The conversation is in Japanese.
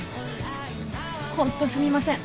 ホントすみません。